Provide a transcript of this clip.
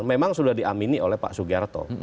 memang sudah diamini oleh pak sugiarto